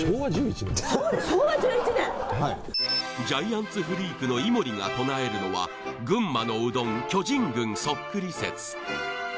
ジャイアンツフリークの井森が唱えるのは群馬のうどん巨人軍そっくり説